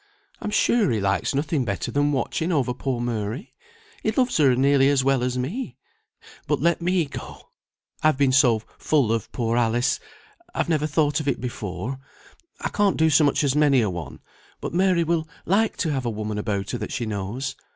"I'm sure he likes nothing better than watching over poor Mary; he loves her nearly as well as me. But let me go! I have been so full of poor Alice, I've never thought of it before; I can't do so much as many a one, but Mary will like to have a woman about her that she knows.